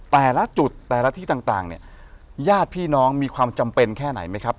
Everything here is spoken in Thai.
แต่ละจุดแต่ละที่ต่างเนี่ยญาติพี่น้องมีความจำเป็นแค่ไหนไหมครับ